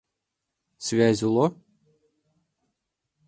— Связь уло?